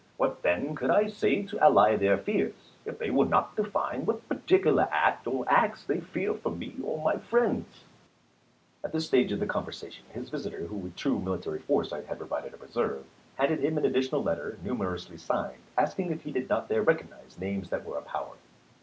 What then could I say to allay their fears, if they will not define what particular act or acts they fear from me or my friends ?" At this stage of the conversation his visitor, who with true military foresight had provided a reserve, handed him an additional letter numerously signed, asking if he did not there recognize names that were a power.